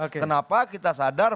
kenapa kita sadar